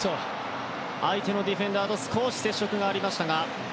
相手のディフェンダーと少し接触がありましたが。